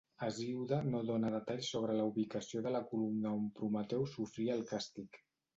Hesíode no dóna detalls sobre la ubicació de la columna on Prometeu sofria el càstig.